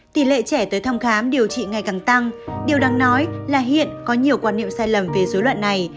tỷ lệ trẻ tới thăm khám điều trị ngày càng tăng điều đáng nói là hiện có nhiều quan niệm sai lầm về dối loạn này